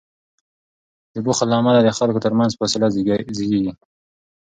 د بخل له امله د خلکو تر منځ فاصله زیږیږي.